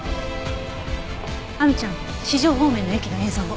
亜美ちゃん四条方面の駅の映像を。